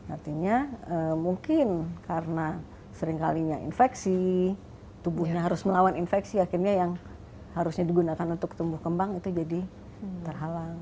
artinya mungkin karena seringkalinya infeksi tubuhnya harus melawan infeksi akhirnya yang harusnya digunakan untuk tumbuh kembang itu jadi terhalang